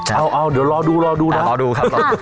เอาเดี๋ยวรอดูนะ